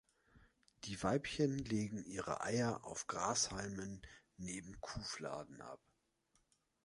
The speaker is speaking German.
Die Weibchen legen ihre Eier auf Grashalmen neben Kuhfladen ab.